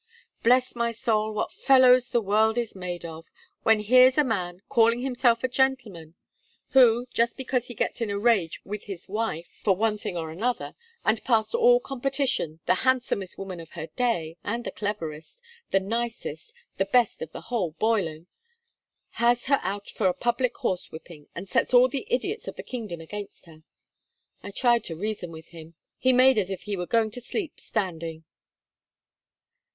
Bless my soul, what fellows the world is made of, when here's a man, calling himself a gentleman, who, just because he gets in a rage with his wife for one thing or another and past all competition the handsomest woman of her day, and the cleverest, the nicest, the best of the whole boiling has her out for a public horsewhipping, and sets all the idiots of the kingdom against her! I tried to reason with him. He made as if he were going to sleep standing.'